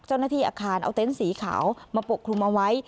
เจ้าหน้าที่อาคารเอาเต้นสีขาวมาปกครุมเอาไว้